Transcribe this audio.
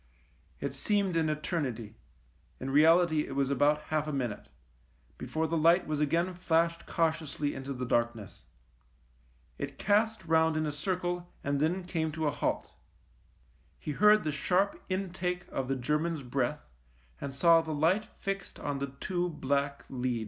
It seemed an eternity — in reality it was about half a minute — before the light was again flashed cautiously into the darkness. It cast round in a circle and then came to a halt. He heard the sharp intake of the German's breath, and saw the light fixed on the two black leads.